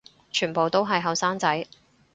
全部都係後生仔